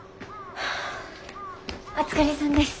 お疲れさんです。